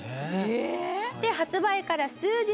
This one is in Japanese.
え！？で発売から数日